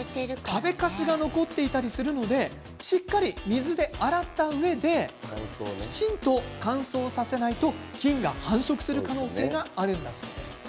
食べかすが残っていたりするのでしっかり水で洗ったうえできちんと乾燥させないと菌が繁殖する可能性があるんだそうです。